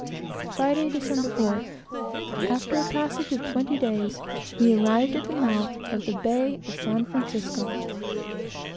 Friday, December 4th, after a passage of twenty days, we arrived at the mouth of the bay of San Francisco.